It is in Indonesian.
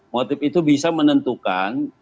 motif itu bisa menentukan